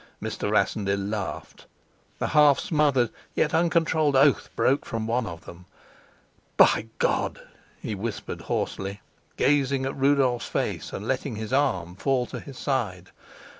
Mr. Rassendyll laughed. A half smothered yet uncontrolled oath broke from one of them. "By God!" he whispered hoarsely, gazing at Rudolf's face and letting his arm fall to his side.